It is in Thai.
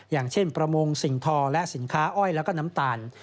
อย่างเช่นประมงสิ่งทอและสินค้าอ้อยแล้วก็น้ำตาล